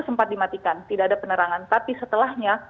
sempat dimatikan tidak ada penerangan tapi setelahnya